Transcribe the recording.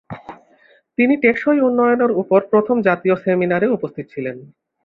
তিনি টেকসই উন্নয়নের উপর প্রথম জাতীয় সেমিনারে উপস্থিত ছিলেন।